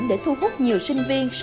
để thu hút nhiều sinh viên